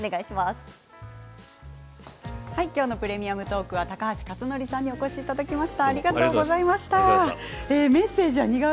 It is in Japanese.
今日の「プレミアムトーク」は高橋克典さんにお越しいただきました。